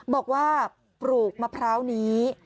บอกว่าปลูกมะพร้าวนี้